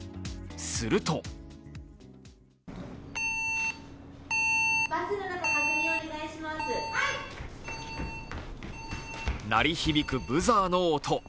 すると鳴り響くブザーの音。